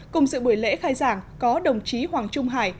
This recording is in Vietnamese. cùng dự buổi lễ khai giảng có đồng chí hoàng trung hải